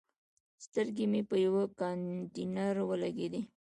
سترګې مې په یوه کانتینر ولګېدې.